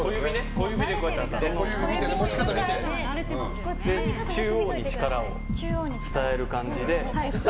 小指で挟んで中央に力を伝える感じで。